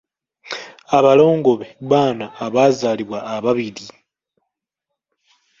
Abalongo be baana abazaalibwa ababiri.